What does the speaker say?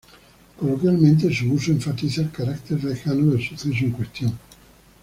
Coloquialmente, su uso enfatiza el carácter lejano del suceso en cuestión.